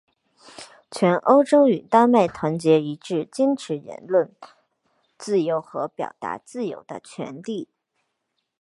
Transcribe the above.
全欧洲与丹麦团结一致坚持言论自由和表达自由的权利。